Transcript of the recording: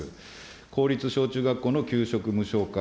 公立小中学校の給食無償化。